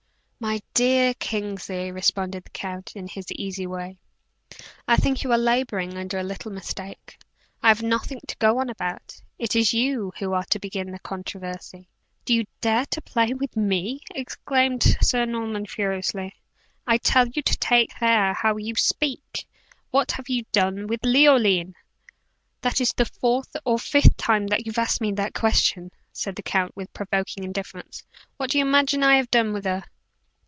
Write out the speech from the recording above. "My dear Kingsley," responded the count, in his easy way, "I think you are laboring under a little mistake. I have nothing to go on about; it is you who are to begin the controversy." "Do you dare to play with me?" exclaimed Sir Norman, furiously. "I tell you to take care how you speak! What have you done with Leoline?" "That is the fourth or fifth time that you've asked me that question," said the count, with provoking indifference. "What do you imagine I have done with her?"